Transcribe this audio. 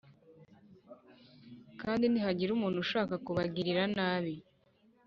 kandi nihagira umuntu ushaka kubagirira nabi,